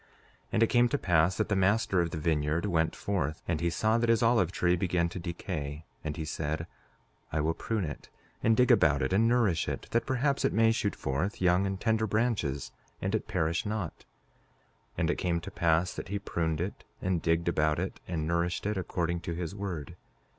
5:4 And it came to pass that the master of the vineyard went forth, and he saw that his olive tree began to decay; and he said: I will prune it, and dig about it, and nourish it, that perhaps it may shoot forth young and tender branches, and it perish not. 5:5 And it came to pass that he pruned it, and digged about it, and nourished it according to his word.